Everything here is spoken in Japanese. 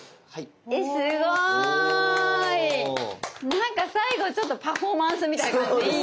なんか最後ちょっとパフォーマンスみたいな感じでいいね。